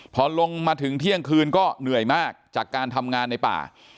พอลงมาถึงเที่ยงคืนก็เหนื่อยมากจากการทำงานในป่า